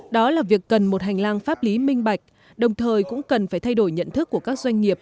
đó là việc cần một hành lang pháp lý minh bạch đồng thời cũng cần phải thay đổi nhận thức của các doanh nghiệp